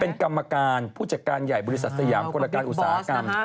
เป็นกรรมการผู้จัดการใหญ่บริษัทสยามกลการอุตสาหกรรม